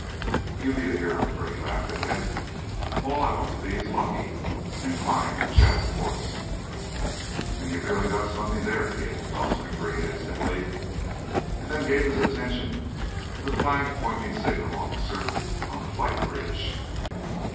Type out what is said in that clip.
"You be the hero," Freddy laughed at him. "All I want to be is lucky, and to find the Jap force!" "And you've really got something there, kid!" Dawson agreed instantly, and then gave his attention to the flag pointing signal officer on the flight bridge.